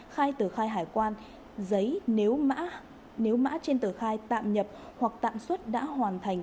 khai tờ khai hải quan giấy nếu mã trên tờ khai tạm nhập hoặc tạm xuất đã hoàn thành